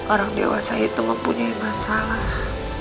orang dewasa itu mempunyai masalah